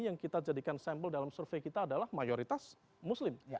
yang kita jadikan sampel dalam survei kita adalah mayoritas muslim